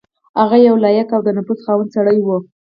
هغه یو لایق او د نفوذ خاوند سړی وو.